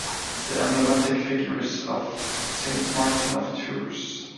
The emblematic figure is of Saint Martin of Tours.